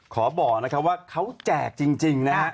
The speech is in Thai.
ขอบอกนะครับว่าเขาแจกจริงนะฮะ